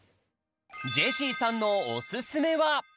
ジェシーさんのおすすめは？